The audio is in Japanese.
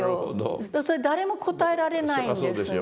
それ誰も答えられないんですね